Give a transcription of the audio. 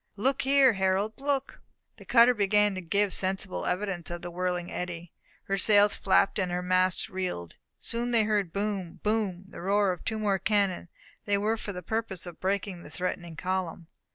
Look there, Harold, look!" The cutter began to give sensible evidence of the whirling eddy. Her sails flapped and her masts reeled. Soon they heard boom! boom! the roar of two more cannon. They were for the purpose of breaking the threatening column.